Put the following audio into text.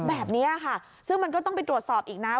แบบนี้ค่ะซึ่งมันก็ต้องไปตรวจสอบอีกนะ